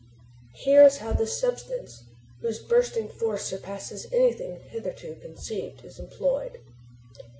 Here is how this substance, whose bursting force surpasses anything hitherto conceived, is employed.